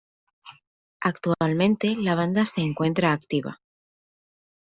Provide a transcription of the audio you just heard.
Actualmente la banda se encuentra activa.